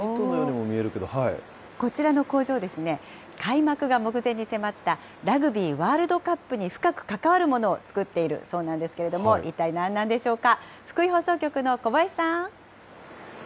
こちらの工場、開幕が目前に迫ったラグビーワールドカップに深くかかわるものを作っているそうなんですけども、一体何なんでしょうか。